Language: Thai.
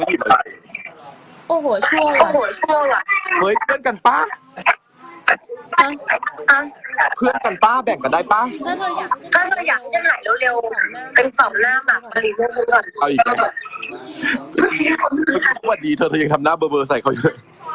ก็คิดฉันเห็นเกินกันเลยฉันไม่รู้ว่าใคร